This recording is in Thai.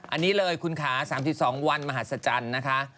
อันนี้เลยคุณค่ะ๓๒วันมหัศจรรย์นะคะ